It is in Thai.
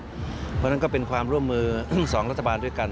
เพราะฉะนั้นก็เป็นความร่วมมือทั้งสองรัฐบาลด้วยกัน